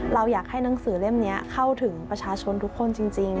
เราอยากให้หนังสือเล่มนี้เข้าถึงประชาชนทุกคนจริง